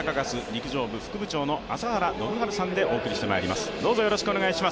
陸上部副部長の朝原宣治さんでお送りしてまいります。